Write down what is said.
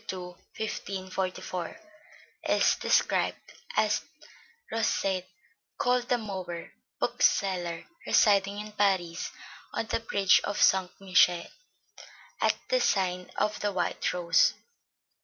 2, 1544, is described as "Rosset called the Mower, bookseller, residing in Paris, on the bridge of St. Michael, at the sign of the White Rose."